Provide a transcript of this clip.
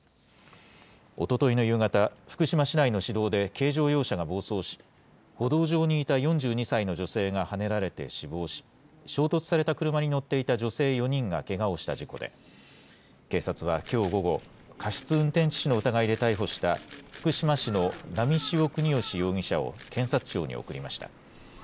おとといの夕方、福島市内の市道で、軽乗用車が暴走し、歩道上にいた４２歳の女性がはねられて死亡し、衝突された車に乗っていた女性４人がけがをした事故で、警察はきょう午後、過失運転致死の疑いで逮捕した、福島市の波汐國芳容疑者を検察庁に送りました。